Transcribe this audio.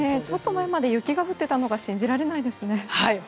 ちょっと前まで雪が降っていたのが信じられないですね。